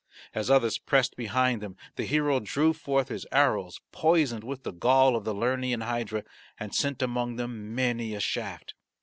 As others pressed behind them the hero drew forth his arrows poisoned with the gall of the Lernean hydra, and sent among them many a shaft.